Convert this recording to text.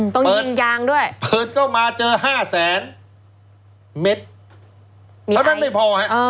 ต้องยิงยางด้วยเปิดเข้ามาเจอห้าแสนเมตรเท่านั้นไม่พอฮะ